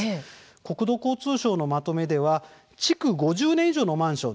国土交通省のまとめでは築５０年以上のマンション